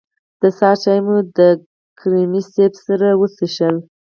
د سهار چای مو د کریمي صیب سره وڅښه.